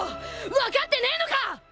分かってねえのか！